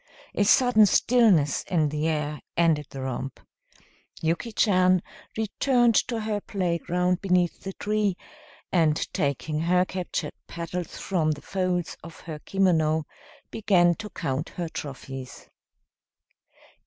A sudden stillness in the air ended the romp. Yuki Chan returned to her playground beneath the tree, and taking her captured petals from the folds of her kimono, began to count her trophies.